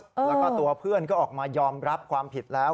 แล้วก็ตัวเพื่อนก็ออกมายอมรับความผิดแล้ว